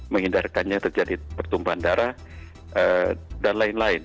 menghindarkannya terjadi pertumbuhan darah dan lain lain